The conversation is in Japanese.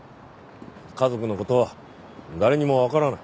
家族の事は誰にもわからない。